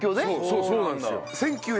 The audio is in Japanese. そうなんですよ。